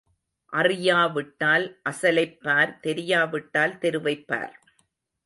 அறியா விட்டால் அசலைப் பார் தெரியா விட்டால் தெருவைப்பார்.